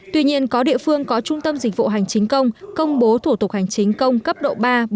tuy nhiên có địa phương có trung tâm dịch vụ hành chính công công bố thủ tục hành chính công cấp độ ba một